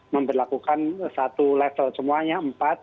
memperlakukan satu level semuanya empat